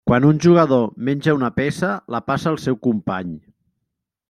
Quan un jugador menja una peça, la passa al seu company.